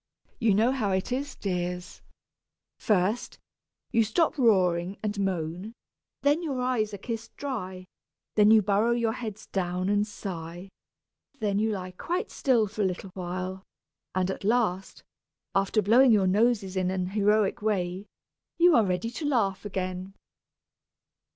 You know how it is, dears! First, you stop roaring and moan, then your eyes are kissed dry, then you burrow your heads down and sigh, then you lie quite still for a little while and at last, after blowing your noses in an heroic way, you are ready to laugh again!